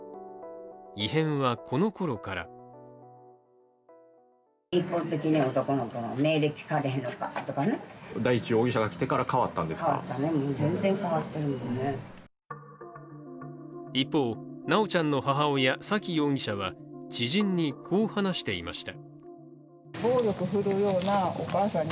異変はこのころから一方、修ちゃんの母親沙喜容疑者は、知人にこう話していました。